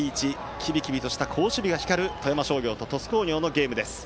きびきびとした好守備が光る富山商業と鳥栖工業のゲームです。